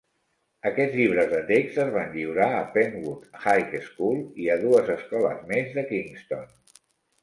Aquests llibres de text es van lliurar a Penwood High School i a dues escoles més de Kingston.